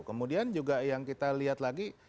kemudian juga yang kita lihat lagi